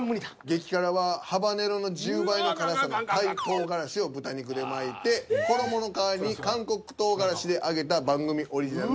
激辛はハバネロの１０倍の辛さでタイ唐辛子を豚肉で巻いて衣の代わりに韓国唐辛子で揚げた番組オリジナル。